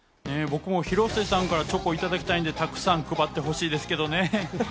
僕も広末さんからチョコをいただきたいんで、たくさん配ってほしいですけどね。